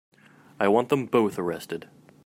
I want them both arrested.